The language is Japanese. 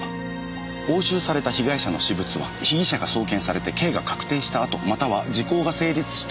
押収された被害者の私物は被疑者が送検されて刑が確定したあとまたは時効が成立した